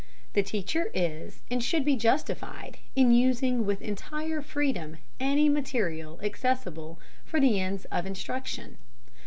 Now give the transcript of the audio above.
The teacher is and should be justified in using with entire freedom any material accessible for the ends of instruction.